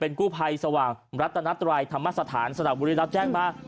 เป็นกู้ไพรสว่างรัฐนัตรัยธรรมสถานสนับบุรีรัฐแจ้งมา